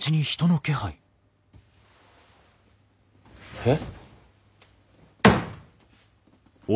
えっ。